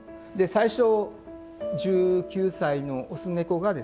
最初１９歳の雄猫がですね